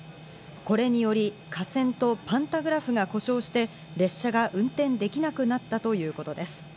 これにより架線とパンタグラフが故障して列車が運転できなくなったということです。